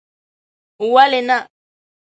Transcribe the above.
ولي نه